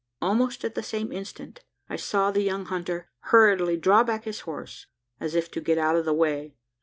Almost at the same instant, I saw the young hunter hurriedly draw back his horse as if to get out of the way.